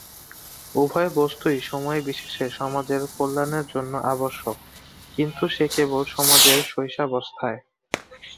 উভয় বস্তুই সময় বিশেষে সমাজের কল্যাণের জন্য আবশ্যক, কিন্তু সে কেবল সমাজের শৈশবাবস্থায়।